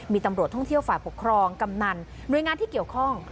มีตำรวจท่องเที่ยวฝ่ายปกครองกำนันหน่วยงานที่เกี่ยวข้อง